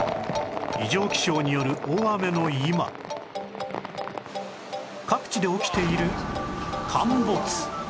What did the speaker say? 異常気象による大雨の今各地で起きている陥没